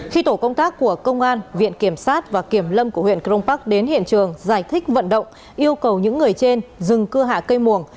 khi tổ công tác của công an viện kiểm sát và kiểm lâm của huyện crong park đến hiện trường giải thích vận động yêu cầu những người trên dừng cưa hạ cây muồng